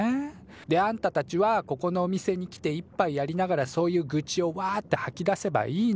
であんたたちはここのお店に来て１ぱいやりながらそういうぐちをわってはき出せばいいの。